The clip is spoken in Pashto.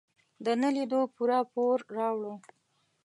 د نه لیدو پوره پور راوړ.